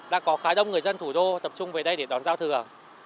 đã có khá đông người dân thủ đô tập trung về đây để đón giao thừa